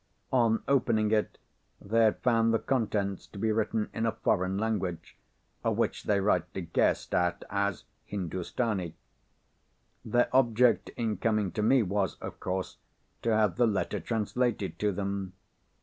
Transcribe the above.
On opening it, they had found the contents to be written in a foreign language, which they rightly guessed at as Hindustani. Their object in coming to me was, of course, to have the letter translated to them.